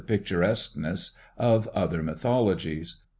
picturesqueness of other mythologies.